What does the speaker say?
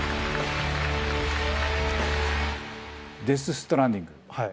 「デス・ストランディング」。